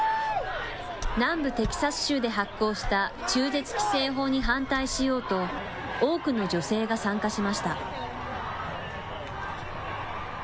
南部テキサス州で発効した中絶規制法に反対しようと、多くの女性が参加しました。